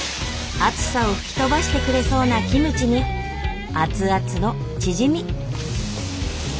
暑さを吹き飛ばしてくれそうなキムチに熱々のチヂミ。